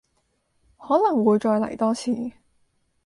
可能會再嚟多次